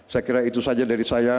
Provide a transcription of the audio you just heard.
saya kira itu saja dari saya